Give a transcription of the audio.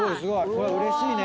これうれしいね。